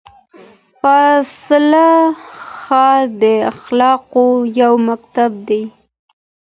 فاضله ښار د اخلاقو یو مکتب دی.